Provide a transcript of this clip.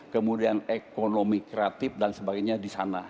kemudian ekonomi kreatif dan sebagainya di sana